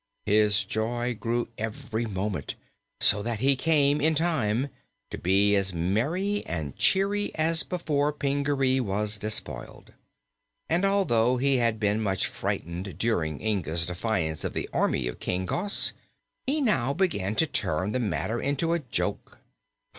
His joy grew every moment, so that he came in time to be as merry and cheery as before Pingaree was despoiled. And, although he had been much frightened during Inga's defiance of the army of King Gos, he now began to turn the matter into a joke.